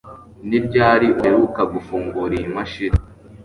Ni ryari uheruka gufungura iyi mashini